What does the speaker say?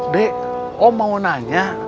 dek om mau nanya